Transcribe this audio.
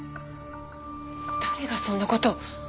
誰がそんな事を？